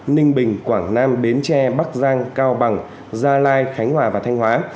ninh bình quảng nam bến tre bắc giang cao bằng gia lai khánh hòa và thanh hóa